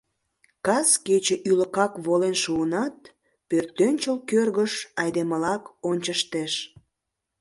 Кас кече ӱлыкак волен шуынат, пӧртӧнчыл кӧргыш айдемылак ончыштеш: